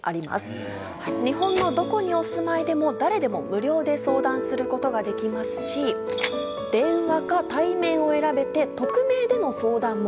日本のどこにお住まいでも誰でも無料で相談することができますし電話か対面を選べて。